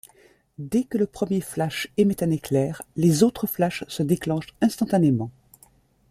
Dès que le premier flash émet un éclair, les autres flashes se déclenchent instantanément.